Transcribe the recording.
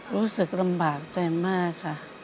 รู้สึกลำบากใจมากค่ะ